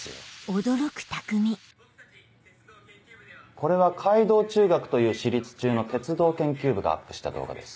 これは海堂中学という私立中の鉄道研究部がアップした動画です。